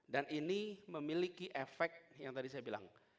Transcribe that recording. dan ini memiliki efek yang tadi saya bilang